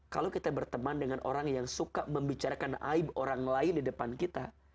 kalau kita berteman dengan orang yang suka membicarakan aib orang lain di depan kita